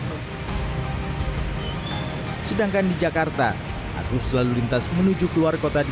hai sedangkan di jakarta aku selalu lintas menuju ke luar kota di